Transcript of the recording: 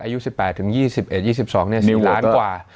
อายุ๑๘๒๑๒๒เนี่ยสิบล้านกว่า